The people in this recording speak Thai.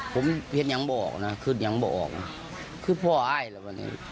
ผมเฮ็ดยังบ่ออกนะคืนยังบ่ออกคือพ่ออ้ายแหละบ่นี้